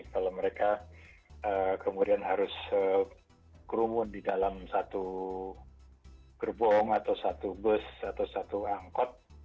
kalau mereka kemudian harus kerumun di dalam satu gerbong atau satu bus atau satu angkot